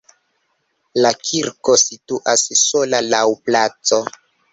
La kirko situas sola laŭ placo.